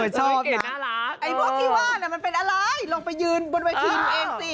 ชอบนะไอ้พวกที่ว่ามันเป็นอะไรลงไปยืนบนวันพิมพ์เองสิ